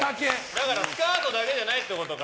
だからスカートだけじゃないってことか。